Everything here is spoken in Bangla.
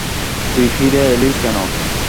তুই ফিরে এলি কেন?